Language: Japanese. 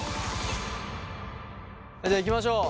じゃあいきましょう。